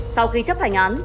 sau khi chấp hành án